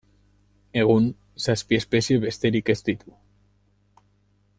Egun zazpi espezie besterik ez ditu.